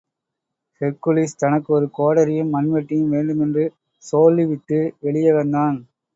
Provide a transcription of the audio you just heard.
Hercules, தனக்கு ஒரு கோடரியும் மண்வெட்டியும் வேண்டுமென்று சோல்லிவிட்டு, வெளியே வந்தான்.